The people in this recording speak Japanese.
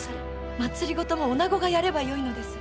政もおなごがやればよいのです。